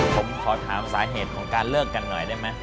ผมขอถามสาเหตุของการเลิกกันหน่อยได้ไหม